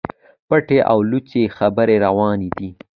پټي او لڅي خبري رواني دي.